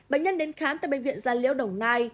bệnh nhân đến khám tại bệnh viện gia liễu đồng nai